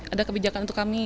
ada kebijakan untuk kami